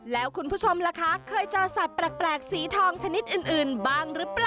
แล้วคุณผู้ชมล่ะคะเคยเจอสัตว์แปลกสีทองชนิดอื่นบ้างหรือเปล่า